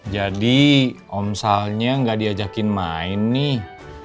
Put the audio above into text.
jadi omsalnya gak diajakin main nih